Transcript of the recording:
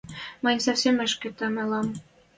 Мӹнь совсем ӹшкетем ылам…